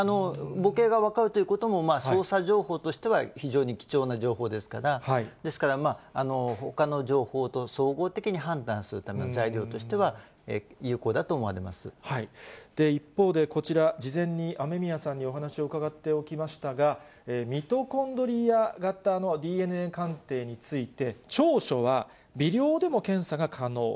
母系が分かるということも、捜査情報としては、非常に貴重な情報ですから、ですから、ほかの情報と総合的に判断するための材料としては、有効だと思わ一方でこちら、事前に雨宮さんにお話しを伺っておきましたが、ミトコンドリア型のＤＮＡ鑑定について、長所は、微量でも検査が可能。